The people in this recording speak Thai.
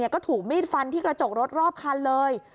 ก็ถูกมีดฟันที่กระจกรถรอบคันเลย